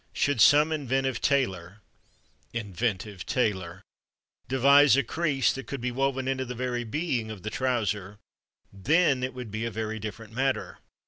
Should some inventive tailor (inventive tailor!) devise a crease that could be woven into the very being of the Trouser, then it would be a very different matter.